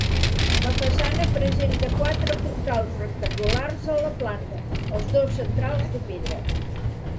La façana presenta quatre portals rectangulars a la planta, els dos centrals de pedra.